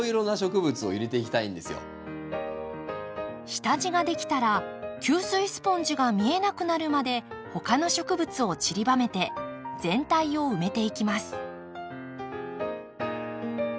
下地ができたら吸水スポンジが見えなくなるまで他の植物をちりばめて全体を埋めていきます。